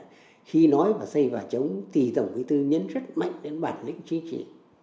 chính trị và chống tỳ tổng quý thư nhấn rất mạnh đến bản lĩnh chính trị